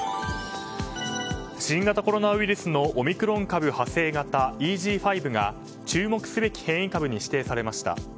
新型コロナウイルスのオミクロン株派生型ＥＧ．５が注目すべき変異株に指定されました。